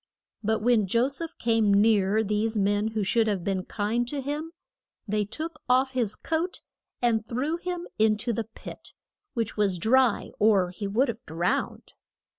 But when Jo seph came near these men who should have been kind to him, they took off his coat and threw him in to the pit, which was dry, or he would have drowned.